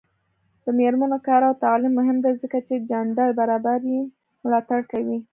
د میرمنو کار او تعلیم مهم دی ځکه چې جنډر برابرۍ ملاتړ کوي.